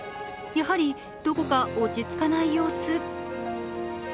やはりどこか落ち着かない様子。